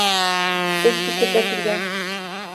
دەستی کرد بە گریان.